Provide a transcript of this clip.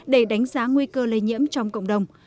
để đánh giá nguy cơ lây nhiễm trong cộng đồng